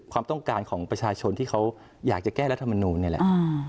ความต้องการของประชาชนที่เขาอยากจะแก้รัฐมนูลนี่แหละ